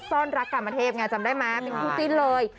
ซ่อนรักกับมาเทพจำได้ไหมเป็นผู้จิ้นเลย